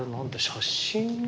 写真？